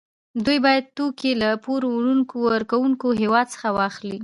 دوی باید توکي له پور ورکوونکي هېواد څخه واخلي